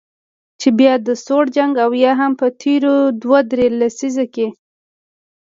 چې بیا د سوړ جنګ او یا هم په تیرو دوه درې لسیزو کې